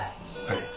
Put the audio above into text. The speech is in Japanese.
はい。